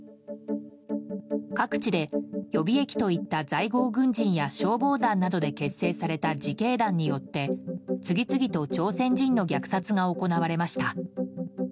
各地で予備役といった在郷軍人や消防団などで結成された自警団によって次々と朝鮮人の虐殺が行われました。